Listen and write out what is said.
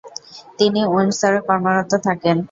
তিনি উইন্ডসরে কর্মরত থাকেন।